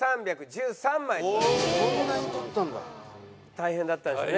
大変だったでしょうね